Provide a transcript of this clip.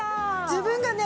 自分がね